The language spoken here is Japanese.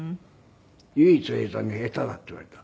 唯一永さんに下手だって言われた。